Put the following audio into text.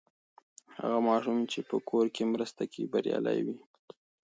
هغه ماشوم چې په کور کې مرسته کوي، بریالی وي.